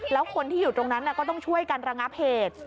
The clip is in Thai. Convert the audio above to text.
แล้วคนที่อยู่ตรงนั้นก็ต้องช่วยกันระงับเหตุ